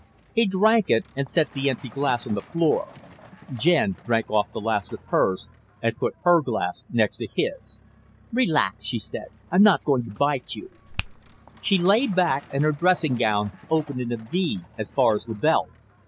He drank it and set the empty glass on the floor. Jen drank off the last of hers and put her glass next to his. "Relax," she said. "I'm not going to bite you." She lay back and her dressing gown opened in a V as far as the belt.